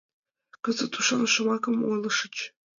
— Кызыт ушан шомакым ойлышыч...